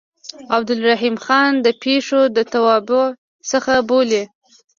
عبدالرحیم ځان د پېښور د توابعو څخه بولي.